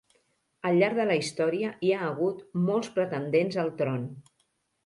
Al llarg de la història hi ha hagut molts pretendents al tron.